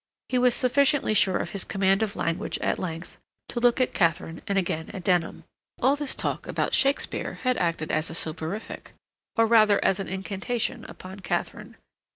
He was sufficiently sure of his command of language at length to look at Katharine and again at Denham. All this talk about Shakespeare had acted as a soporific, or rather as an incantation upon Katharine.